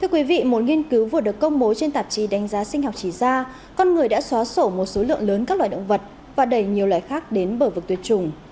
thưa quý vị một nghiên cứu vừa được công bố trên tạp chí đánh giá sinh học chỉ ra con người đã xóa sổ một số lượng lớn các loài động vật và đẩy nhiều loài khác đến bờ vực tuyệt chủng